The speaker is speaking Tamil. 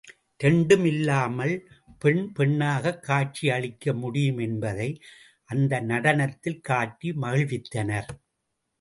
இரண்டும் இல்லாமல் பெண் பெண்ணாகக் காட்சி அளிக்க முடியும் என்பதை அந்த நடனத்தில் காட்டி மகிழ்வித்தனர்.